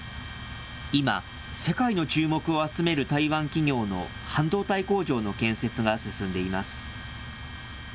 今、世界の注目を集める台湾企業の半導体工場の建設が進んでいます。